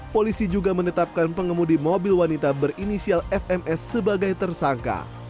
polisi juga menetapkan pengemudi mobil wanita berinisial fms sebagai tersangka